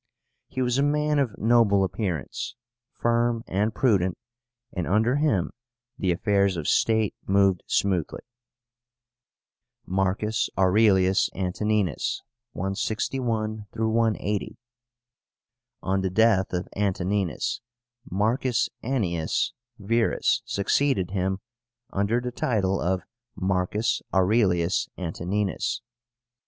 He was a man of noble appearance, firm and prudent, and under him the affairs of state moved smoothly. MARCUS AURELIUS ANTONÍNUS (161 180). On the death of Antonínus, Marcus Annius Verus succeeded him under the title of Marcus Aurelius Antonínus.